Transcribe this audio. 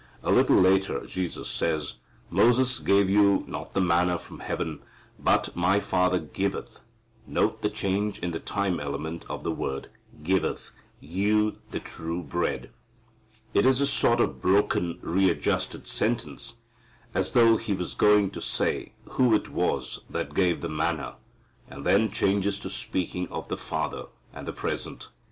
A little later Jesus says, "Moses gave you not the manna from heaven, but my Father giveth (note the change in the time element of the word) giv_eth_ you the true bread." It is a sort of broken, readjusted sentence, as though He was going to say who it was that gave the manna, and then changes to speaking of the Father and the present.